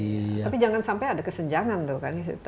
tapi jangan sampai ada kesenjangan tuh kan